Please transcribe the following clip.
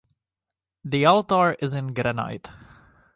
The altar is in granite.